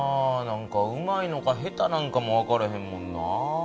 何かうまいのか下手なのかも分からへんもんな。